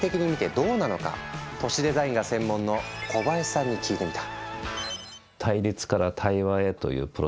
都市デザインが専門の小林さんに聞いてみた。